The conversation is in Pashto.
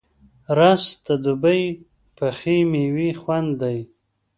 رس د دوبی پخې میوې خوند دی